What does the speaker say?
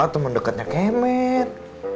teman dekatnya kemet